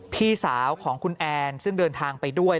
พี่สาวของคุณแอนซึ่งเดินทางไปด้วย